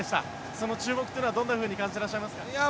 その注目というのはどう感じていらっしゃいますか？